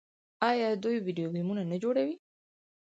آیا دوی ویډیو ګیمونه نه جوړوي؟